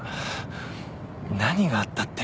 何があったって？